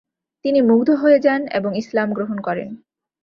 তিনি মুগ্ধ হয়ে যান এবং ইসলাম গ্রহণ করেন।